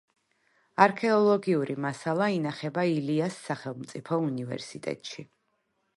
არქეოლოგიური მასალა ინახება ილიას სახელმწიფო უნივერსიტეტში.